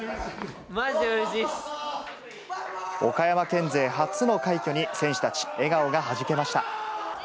岡山県勢初の快挙に、選手たち、笑顔がはじけました。